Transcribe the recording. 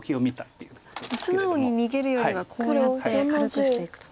素直に逃げるよりはこうやって軽くしていくと。